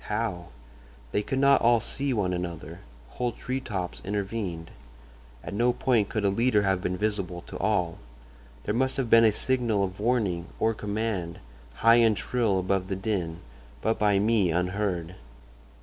How? They could not all see one another—whole tree tops intervened. At no point could a leader have been visible to all. There must have been a signal of warning or command, high and shrill above the din, but by me unheard.